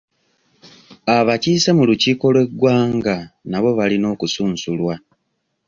Abakiise mu lukiiko lw'eggwanga nabo balina okusunsulwa.